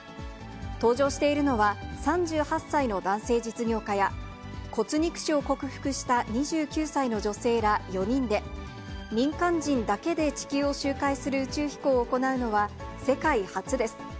搭乗しているのは、３８歳の男性実業家や、骨肉腫を克服した２９歳の女性ら４人で、民間人だけで地球を周回する宇宙飛行を行うのは世界初です。